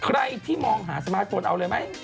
ใครที่มองหาสมาร์ทโฟนเอาเลยไหม